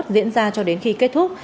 diễn ra cho đến khi kết thúc